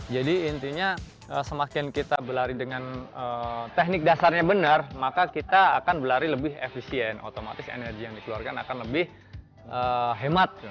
jadi intinya semakin kita berlari dengan teknik dasarnya benar maka kita akan berlari lebih efisien otomatis energi yang dikeluarkan akan lebih hemat